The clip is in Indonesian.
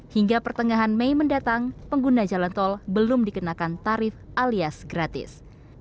hingga pertengahan mei mendatang pengguna jalan tol belum dikenakan tarif alias gratis